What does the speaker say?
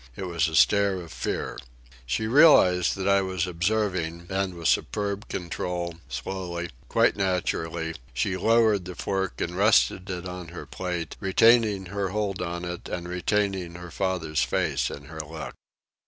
It was a stare of fear. She realized that I was observing, and with superb control, slowly, quite naturally, she lowered the fork and rested it on her plate, retaining her hold on it and retaining her father's face in her look.